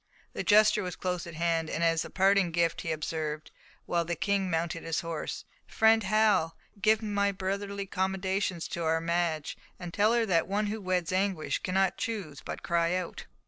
The jester was close at hand, and as a parting shaft he observed, while the King mounted his horse, "Friend Hal! give my brotherly commendations to our Madge, and tell her that one who weds Anguish cannot choose but cry out."